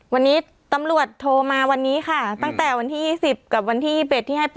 วันนี้ตำรวจโทรมาวันนี้ค่ะตั้งแต่วันที่ยี่สิบกับวันที่ยี่เบ็ดที่ให้